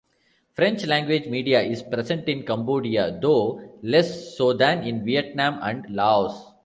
French-language media is present in Cambodia, though less so than in Vietnam and Laos.